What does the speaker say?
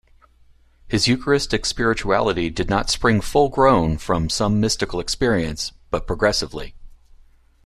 His eucharistic spirituality did not spring full-grown from some mystical experience, but progressively.